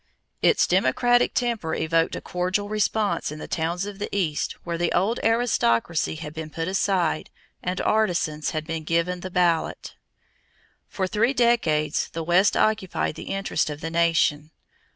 Its democratic temper evoked a cordial response in the towns of the East where the old aristocracy had been put aside and artisans had been given the ballot. For three decades the West occupied the interest of the nation.